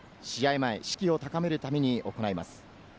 前、士気を高めるために行います。